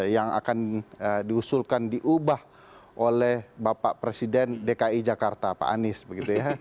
yang akan diusulkan diubah oleh bapak presiden dki jakarta pak anies begitu ya